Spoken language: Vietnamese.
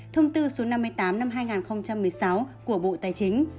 thông tư số năm mươi tám năm hai nghìn một mươi sáu của bộ tài chính